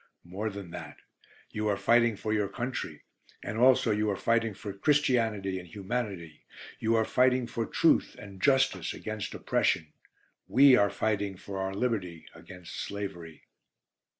More than that, you are fighting for your country, and also you are fighting for Christianity and Humanity. You are fighting for truth and justice against oppression. We are fighting for our liberty against slavery.